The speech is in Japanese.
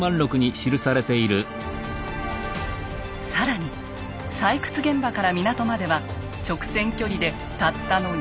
更に採掘現場から港までは直線距離でたったの２ｋｍ。